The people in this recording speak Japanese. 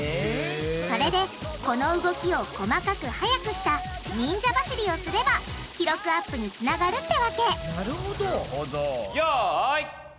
それでこの動きを細かく速くした忍者走りをすれば記録アップにつながるってわけなるほど。